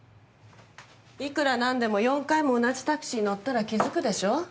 いくらなんでも４回も同じタクシーに乗ったら気づくでしょう？